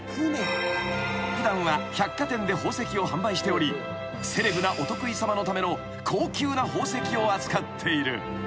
［普段は百貨店で宝石を販売しておりセレブなお得意さまのための高級な宝石を扱っている］